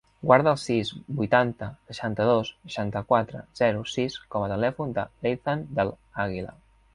Guarda el sis, vuitanta, seixanta-dos, seixanta-quatre, zero, sis com a telèfon de l'Ethan Del Aguila.